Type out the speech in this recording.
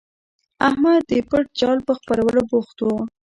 احمد د پټ جال په خپرولو بوخت وو.